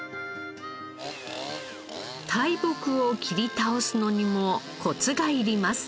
大木を切り倒すのにもコツがいります。